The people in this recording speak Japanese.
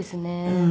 うん。